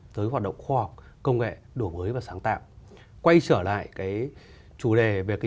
bộ khoa học và công nghệ được làm đầu mối hướng dẫn phối hợp với các bộ ngành địa phương